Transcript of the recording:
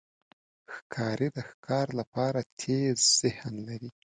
ښکاري د ښکار لپاره تېز ذهن لري.